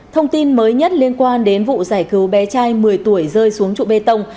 thông tin mới nhất liên quan đến vụ giải cứu bé trai một mươi tuổi rơi xuống trụ bê tông